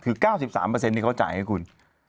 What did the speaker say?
คือ๙๓นี่เขาจ่ายให้คุณ